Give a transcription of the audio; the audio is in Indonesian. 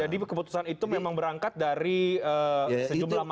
jadi keputusan itu memang berangkat dari sejumlah masukan ya artinya